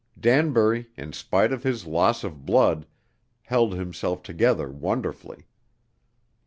Danbury, in spite of his loss of blood, held himself together wonderfully.